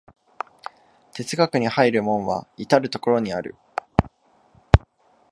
哲学に入る門は到る処にある。